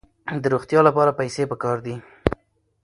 د روغتیا لپاره پیسې پکار دي.